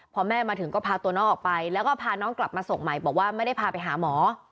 พอแม่มาถึงก็พาตัวน้องออกไปแล้วก็พาน้องกลับมาส่งใหม่บอกว่าไม่ได้พาไปหาหมอ